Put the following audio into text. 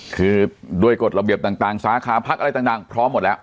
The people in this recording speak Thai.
คือด้วยกฎระเบียบต่างสาขาพักอะไรต่างพร้อมหมดแล้ว